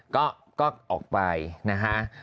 ก็ออกไปนะฮะ